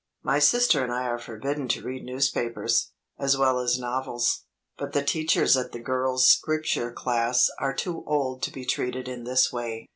My sister and I are forbidden to read newspapers, as well as novels. But the teachers at the Girls' Scripture Class are too old to be treated in this way.